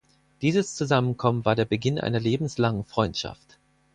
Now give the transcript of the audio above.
Dieses Zusammenkommen war der Beginn einer lebenslangen Freundschaft.